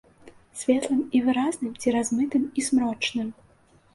Светлым і выразным ці размытым і змрочным.